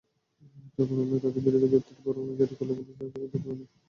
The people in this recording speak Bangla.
ট্রাইব্যুনাল তাঁদের বিরুদ্ধে গ্রেপ্তারি পরোয়ানা জারি করলেও পুলিশ তাঁদের ধরতে পারেনি।